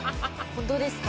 本当ですか？